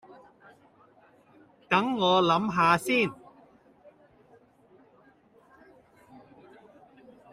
等我諗吓先